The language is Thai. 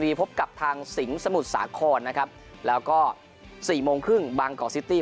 พบกับทางสิงห์สมุทรสาครนะครับแล้วก็สี่โมงครึ่งบางกอกซิตี้